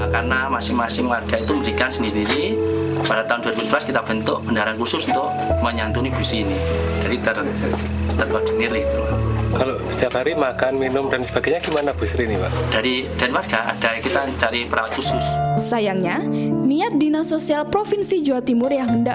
sayangnya niat dinas sosial provinsi jawa timur yang hendak membawa mbah sri mulyani ke panti jumbo kurang terlaksana